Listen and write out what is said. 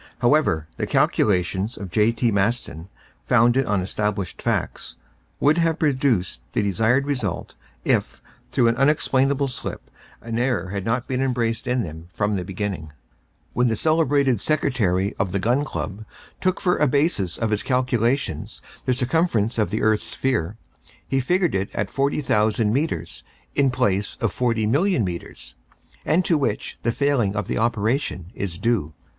However, the calculations of J.T. Maston, founded on established facts, would have produced the desired result if through an unexplainable slip an error had not been embraced in them from the beginning. When the celebrated secretary of the Gun Club took for a basis of his calculations the circumference of the earth's sphere, he figured it at 40,000 metres in place of 40,000,000 metres, and to which the failing of the operation is due.